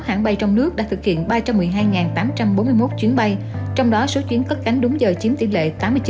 hãng bay trong nước đã thực hiện ba trăm một mươi hai tám trăm bốn mươi một chuyến bay trong đó số chuyến cất cánh đúng giờ chiếm tỷ lệ tám mươi chín bốn